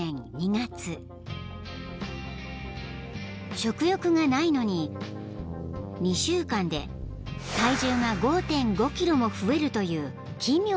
［食欲がないのに２週間で体重が５．５ｋｇも増えるという奇妙な現象が］